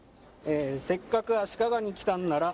「せっかく足利に来たんなら」